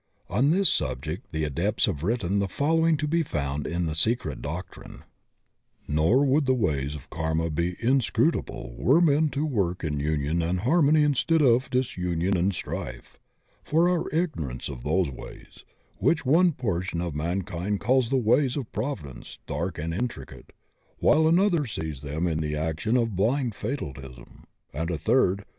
On this subject the Adepts have written the fol lowing to be found in the Secret Doctrine:* Nor would the ways of karma be inscrutable were men to work in union and harmony instead of disunion and strife. For our ignorance of those ways — ^which one portion of man kind calls the ways of Providence dark and intricate, while another sees in them the action of blind fatalism, and a third • 5. D.. Vol. I, p. 643.